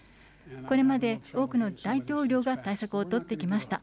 これまで多くの大統領が対策を取ってきました。